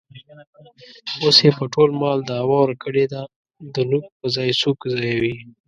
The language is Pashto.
اوس یې په ټول مال دعوه ورکړې ده. د نوک په ځای سوک ځایوي.